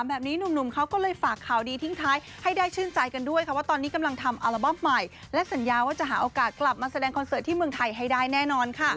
แบบนี้หนุ่มเขาก็เลยฝากข่าวดีทิ้งท้ายให้ได้ชื่นใจกันด้วยค่ะว่าตอนนี้กำลังทำอัลบั้มใหม่และสัญญาว่าจะหาโอกาสกลับมาแสดงคอนเสิร์ตที่เมืองไทยให้ได้แน่นอนค่ะ